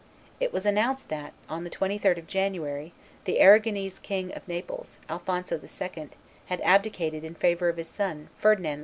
It was announced that, on the 23d of January, the Arragonese King of Naples, Alphonso II., had abdicated in favor of his son, Ferdinand II.